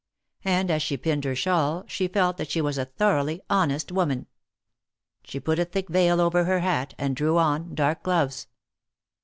And, as she pinned her shawl, she felt that she was a thoroughly honest woman. She put a thick veil over her hat, and drew on dark gloves.